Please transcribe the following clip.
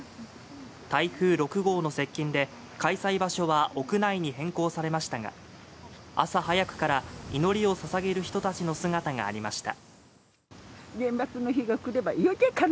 台風６号の接近で、開催場所は屋内に変更されましたが朝早くから祈りをささげる人たちの姿がありました。